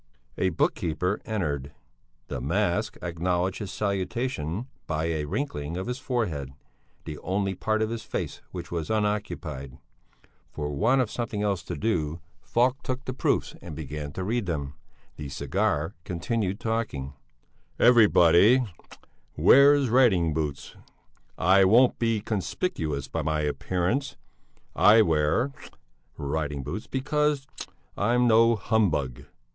A book keeper entered. The mask acknowledged his salutation by a wrinkling of his forehead, the only part of his face which was unoccupied. For want of something else to do, Falk took the proofs and began to read them. The cigar continued talking: "Everybody wears riding boots. I won't be conspicuous by my appearance. I wear riding boots because I'm no humbug."